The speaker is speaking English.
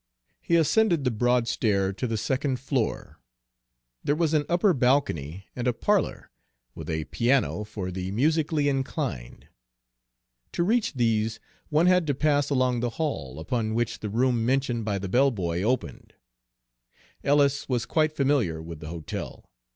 He ascended the broad stair to the second floor. There was an upper balcony and a parlor, with a piano for the musically inclined. To reach these one had to pass along the hall upon which the room mentioned by the bell boy opened. Ellis was quite familiar with the hotel.